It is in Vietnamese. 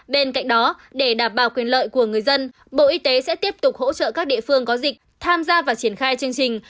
bên cạnh đó để đảm bảo quyền lợi của người dân bộ y tế sẽ tiếp tục hỗ trợ các địa phương có dịch tham gia và triển khai chương trình